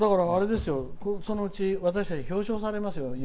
そのうち、私たち表彰されますよ。